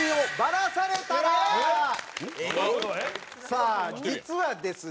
さあ実はですね